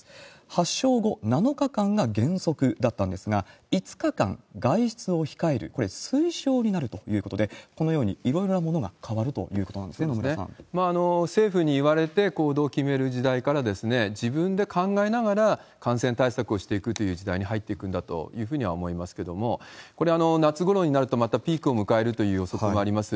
発症後７日間が原則だったんですが、５日間外出を控える、これ、推奨になるということで、このようにいろいろなものが変わるということなんですね、政府に言われて行動を決める時代から、自分で考えながら感染対策をしていくという時代に入っていくんだというふうには思いますけれども、これ、夏ごろになるとまたピークを迎えるという予測もあります。